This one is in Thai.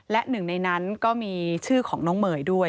และหนึ่งในนั้นก็มีชื่อของน้องเมย์ด้วย